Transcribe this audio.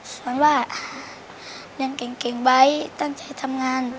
สอนว่าเรียนเก็งบ๊ายตั้งใจทำงาน